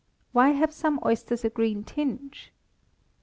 _Why have some oysters a green tinge?